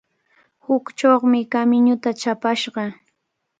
Huchumi kamiñuta chapashqa.